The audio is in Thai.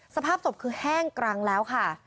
สภาพศพคือแห้งกรังแล้วค่ะ